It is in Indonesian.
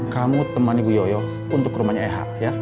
kamu temani bu yoyo untuk ke rumahnya eh